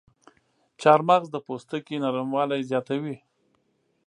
چارمغز د پوستکي نرموالی زیاتوي.